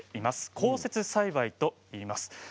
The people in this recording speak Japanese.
高設栽培といいます。